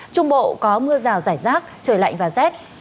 trung bộ có mưa rào rải rác trời lạnh và rét